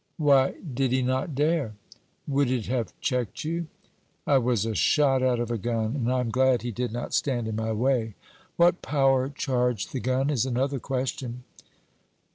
'Why did he not dare?' 'Would it have checked you?' 'I was a shot out of a gun, and I am glad he did not stand in my way. What power charged the gun, is another question.